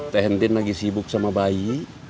tentin lagi sibuk sama bayi